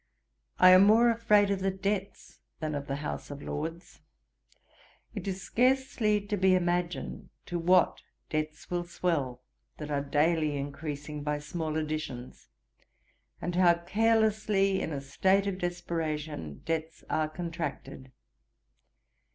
I am more afraid of the debts than of the House of Lords. It is scarcely to be imagined to what debts will swell, that are daily increasing by small additions, and how carelessly in a state of desperation debts are contracted.